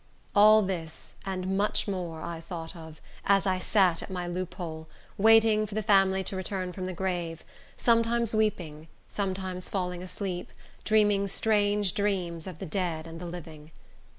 All this, and much more, I thought of, as I sat at my loophole, waiting for the family to return from the grave; sometimes weeping, sometimes falling asleep, dreaming strange dreams of the dead and the living.